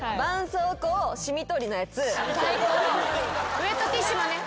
ウエットティッシュもね。